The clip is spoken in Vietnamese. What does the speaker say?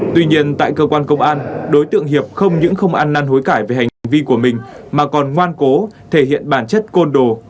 tuy nhiên tại cơ quan công an đối tượng hiệp không những không ăn năn hối cải về hành vi của mình mà còn ngoan cố thể hiện bản chất côn đồ